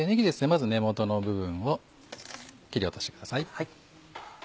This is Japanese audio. まず根元の部分を切り落としてください。